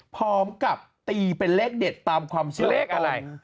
พร้อมกับตีเป็นเลขเด็ดตามความเชื่อเลขอะไร